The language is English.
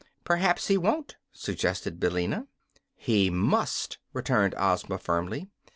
"Perhaps he won't," suggested Billina. "He must," returned Ozma, firmly.